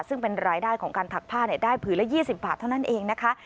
ซึ่งเป็นรายได้ของการถักผ้าได้ผืนละ๒๐บาทเท่านั้นเองนะคะ